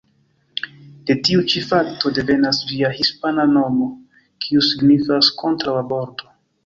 De tiu ĉi fakto devenas ĝia hispana nomo, kiu signifas "kontraŭa bordo".